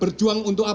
berjuang untuk apa